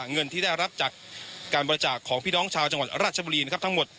เงินที่ได้รับจากการบริจาคของพี่น้องชาวจังหวัดราชบุรีนะครับทั้งหมด